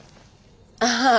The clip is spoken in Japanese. ああ。